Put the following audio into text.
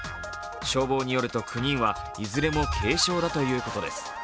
消防によると、９人はいずれも軽傷だということです。